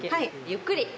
ゆっくり。